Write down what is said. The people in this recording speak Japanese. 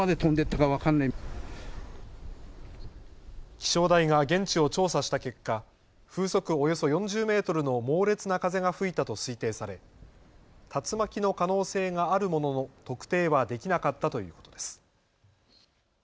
気象台が現地を調査した結果、風速およそ４０メートルの猛烈な風が吹いたと推定され竜巻の可能性があるものの特定はできなかったということです。